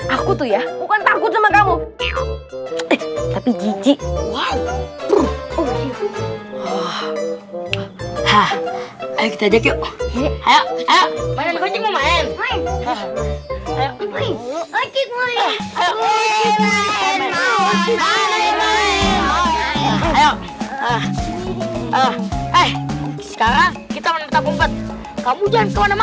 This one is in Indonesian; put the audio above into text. aku tuh ya bukan takut sama kamu tapi jijik ya oh hah kita jatuh